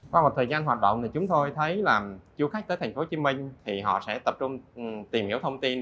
qua một thời gian hoạt động thì chúng tôi thấy là du khách tới tp hcm thì họ sẽ tập trung tìm hiểu thông tin